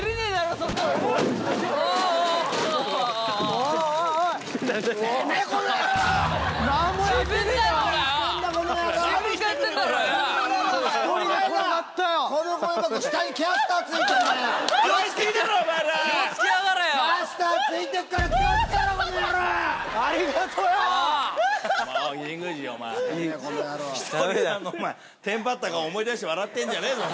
ひとりさんがテンパった顔思い出して笑ってんじゃねえぞ。